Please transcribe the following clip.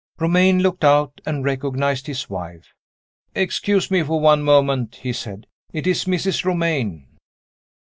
Romayne looked out, and recognized his wife. "Excuse me for one moment," he said, "it is Mrs. Romayne."